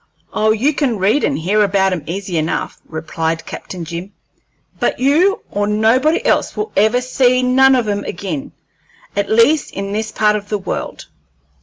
"Oh, you can read and hear about 'em easy enough," replied Captain Jim, "but you nor nobody else will ever see none of 'em ag'in at least, in this part of the world.